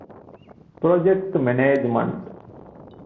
ޕްރޮޖެކްޓް މެނޭޖްމަންޓް